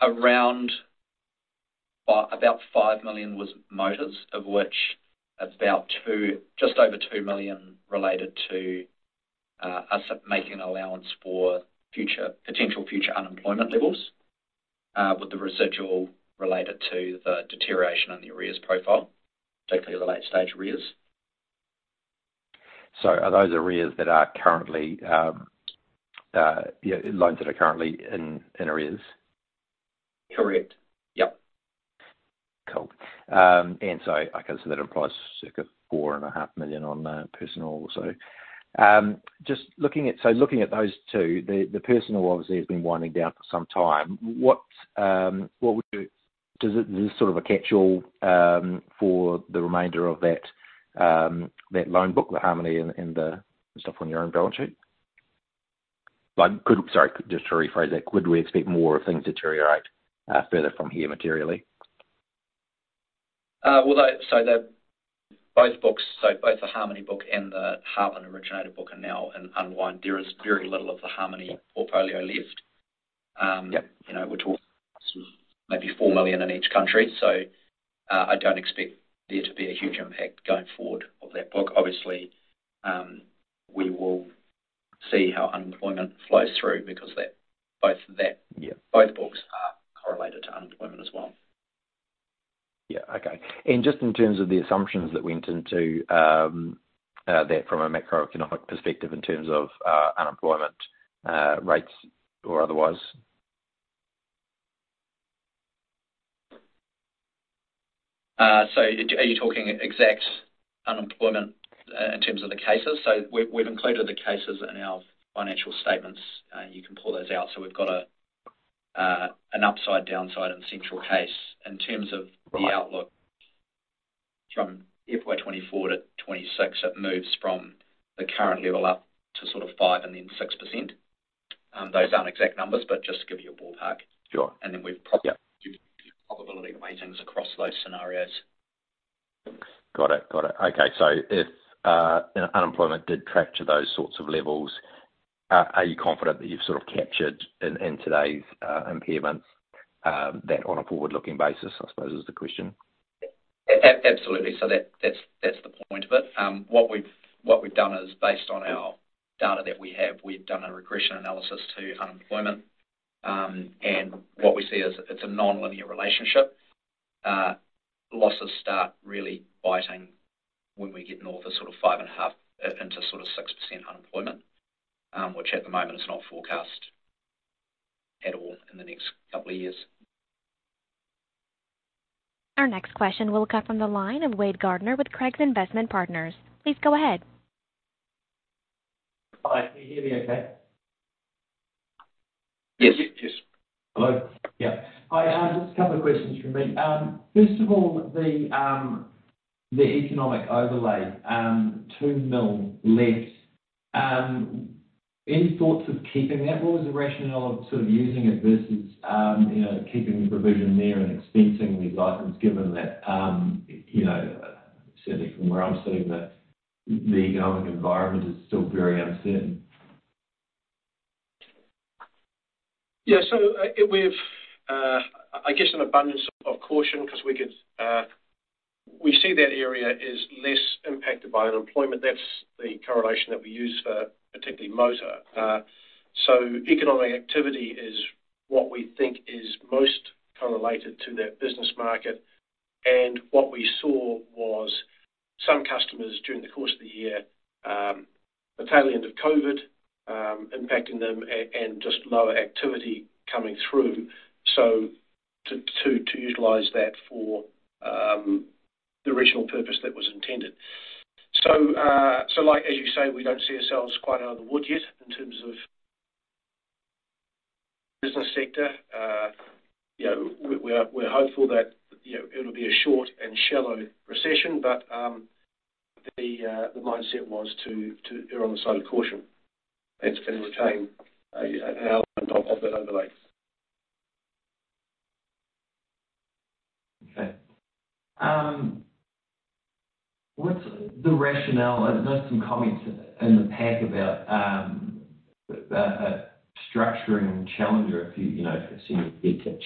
Speaker 2: Around or about 5 million was motors, of which about two, just over 2 million related to us making an allowance for future, potential future unemployment levels, with the residual related to the deterioration in the arrears profile, particularly the late-stage arrears.
Speaker 6: Are those arrears that are currently loans that are currently in arrears?
Speaker 2: Correct.
Speaker 6: Cool. And so I guess that implies circa 4.5 million on personal also. Just looking at-- so looking at those two, the personal obviously has been winding down for some time. What would you. Does it, is this a catchall for the remainder of that loan book, the Harmoney and the stuff on your own balance sheet? But could, sorry, just to rephrase that, could we expect more things to deteriorate further from here materially?
Speaker 2: Though, so the, both books, so both the Harmoney book and the Harmoney originator book are now in unwind. There is very little of the Harmoney portfolio left which was maybe 4 million in each country. So, I don't expect there to be a huge impact going forward of that book. Obviously, we will see how unemployment flows through because that, both books are correlated to unemployment as well.
Speaker 6: Just in terms of the assumptions that went into that from a macroeconomic perspective in terms of unemployment rates or otherwise?
Speaker 2: Are you talking exact unemployment in terms of the cases? So we've included the cases in our financial statements, you can pull those out. So we've got an upside, downside and central case. In terms of the outlook from FY24 to FY26, it moves from the current level up to 5% and then 6%. Those aren't exact numbers, but just to give you a ballpark. And then we've propped probability weightings across those scenarios.
Speaker 6: Got it. If unemployment did track to those sorts of levels, are you confident that you've captured in today's impairments that on a forward-looking basis, I suppose is the question?
Speaker 2: Absolutely. So that, that's, that's the point of it. What we've done is, based on our data that we have, we've done a regression analysis to unemployment. And what we see is it's a nonlinear relationship. Losses start really biting when we get north of 5.5%-6% unemployment, which at the moment is not forecast at all in the next couple of years.
Speaker 5: Our next question will come from the line of Wade Gardiner with Craigs Investment Partners. Please go ahead.
Speaker 7: Hi, can you hear me okay?
Speaker 2: Yes.
Speaker 7: Hello? Hi, just a couple of questions from me. First of all, the economic overlay, 2 million less. Any thoughts of keeping that? What was the rationale of using it versus, you know, keeping the provision there and expensing the license, given that, you know, certainly from where I'm sitting, the economic environment is still very uncertain.
Speaker 1: We've an abundance of caution, 'cause we could, we see that area is less impacted by unemployment. That's the correlation that we use for particularly motor. So economic activity is what we think is most correlated to that business market and what we saw was some customers during the course of the year, the tail end of COVID, impacting them and just lower activity coming through, so to utilize that for the original purpose that was intended. So, like, as you say, we don't see ourselves quite out of the woods yet in terms of business sector. We're hopeful that, you know, it'll be a short and shallow recession, but the mindset was to err on the side of caution and to retain our top of that overlay.
Speaker 7: What's the rationale? I've noticed some comments in the pack about structuring Challenger, if you know,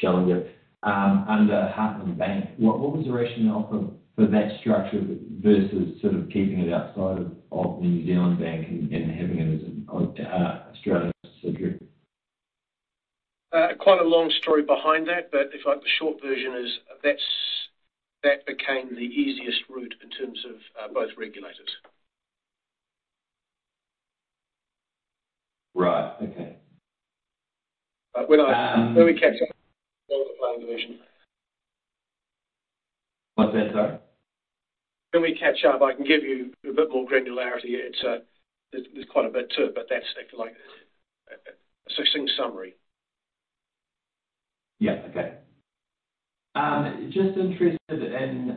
Speaker 7: Challenger, under Heartland Bank. What was the rationale for that structure versus keeping it outside of the New Zealand Bank and having it as Australian subsidiary?
Speaker 1: Quite a long story behind that, but if like, the short version is, that became the easiest route in terms of both regulators.
Speaker 7: Right. Okay.
Speaker 1: When we catch up, I can give you a bit more granularity. It's, there's quite a bit to it, that's, I feel like, a succinct summary.
Speaker 7: Just interested in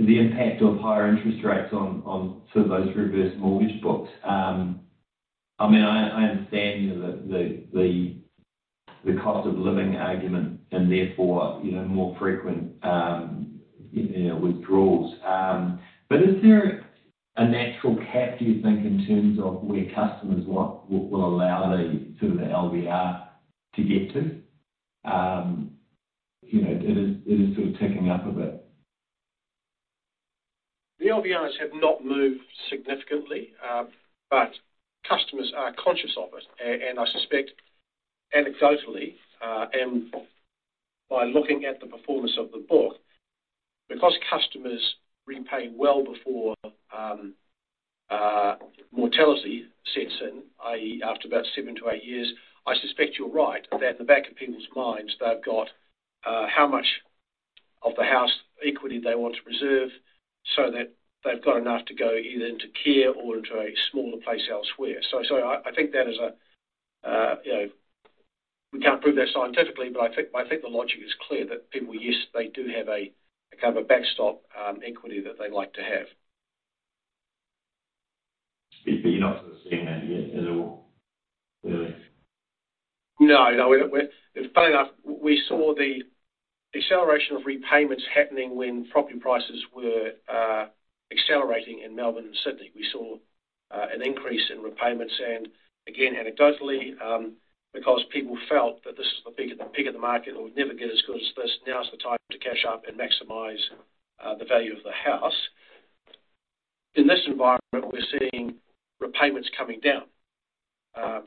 Speaker 7: the impact of higher interest rates on those reverse mortgage books. I mean, I understand, you know, the cost of living argument and therefore, you know, more frequent withdrawals. But is there a natural cap, do you think, in terms of where customers want will allow the the LVR to get to? It is ticking up a bit.
Speaker 1: The LVRs have not moved significantly, but customers are conscious of it. And I suspect anecdotally and by looking at the performance of the book, because customers repay well before, mortality sets in after about 7-8 years, I suspect you're right, that at the back of people's minds, they've got, how much of the house equity they want to preserve so that they've got enough to go either into care or into a smaller place elsewhere. So, so I, I think that is a, you know, we can't prove that scientifically, but I think the logic is clear that people, yes, they do have a backstop equity that they like to have.
Speaker 7: You're not seeing that yet at all, really?
Speaker 1: No, we're funny enough, we saw the acceleration of repayments happening when property prices were accelerating in Melbourne and Sydney. We saw an increase in repayments and again, anecdotally, because people felt that this is the peak, the peak of the market, it would never get as good as this, now is the time to cash up and maximize the value of the house. In this environment, we're seeing repayments coming down.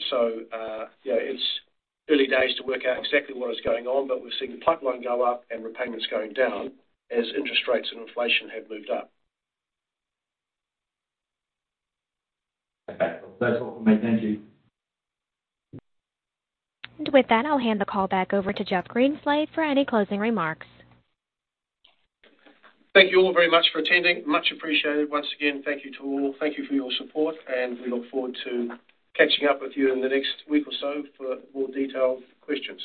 Speaker 1: So, you know, it's early days to work out exactly what is going on, but we've seen the pipeline go up and repayments going down as interest rates and inflation have moved up.
Speaker 7: That's all for me. Thank you.
Speaker 5: With that, I'll hand the call back over to Jeff Greenslade for any closing remarks.
Speaker 1: Thank you all very much for attending. Much appreciated. Once again, thank you to all. Thank you for your support and we look forward to catching up with you in the next week or so for more detailed questions.